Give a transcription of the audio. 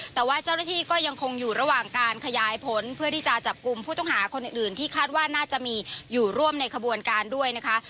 แต่ว่าเจ้าหน้าที่ก็ยังคงอยู่ระหว่างการขยายผลเพื่อที่จะจับกลุ่มผู้ต้องหาคนอื่นที่คาดว่าน่าจะมีอยู่ร่วมในขบวนการด้วยนะคะ